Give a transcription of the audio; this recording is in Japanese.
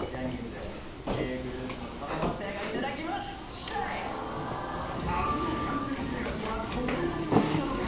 ジャニーズ初の完全制覇者はこの男なのか